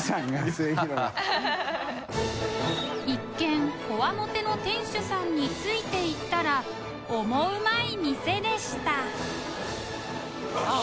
一見コワモテの店主さんについて行ったらオモウマい店でしたあぁ！